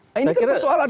nah ini kan persoalan kan